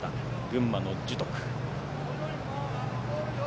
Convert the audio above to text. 群馬の樹徳。